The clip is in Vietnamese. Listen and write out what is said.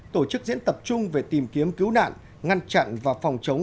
tổ chức diễn tập chung về tìm kiếm cứu nạn ngăn chặn và phòng chống